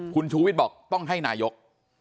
คุณชูวิทย์บอกต้องให้นายก